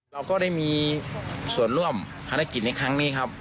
เราก็ได้มีส่วนร่วมภารกิจในครั้งนี้ครับ